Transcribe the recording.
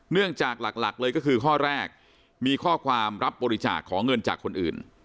เนื่องจากหลักเลยก็คือข้อแรกมีข้อความรับบริจาคขอเงินจากคนอื่น